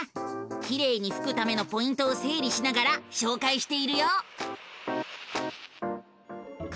きれいにふくためのポイントをせいりしながらしょうかいしているよ！